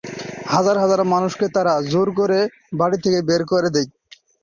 হাজার হাজার মানুষকে তারা জোর করে বাড়ি থেকে বের করে দেয়।